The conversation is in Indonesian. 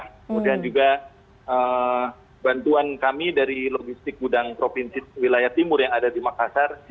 kemudian juga bantuan kami dari logistik gudang provinsi wilayah timur yang ada di makassar